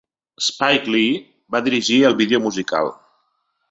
Spike Lee va dirigir el vídeo musical.